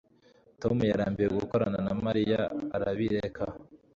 tom yarambiwe gukorana na mariya arabireka